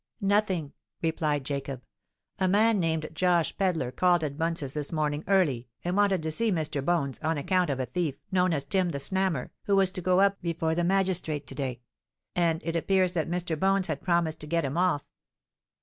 "Nothing," replied Jacob. "A man named Josh Pedler called at Bunce's this morning early, and wanted to see Mr. Bones, on account of a thief, known as Tim the Snammer, who was to go up before the magistrate to day; and it appears that Mr. Bones had promised to get him off.